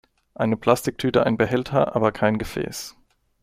Eine Plastiktüte ein Behälter, aber kein Gefäß.